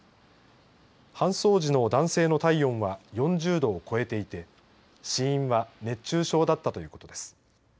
搬送時の男性の体温は４０度を超えていて死因は熱中症だったということです。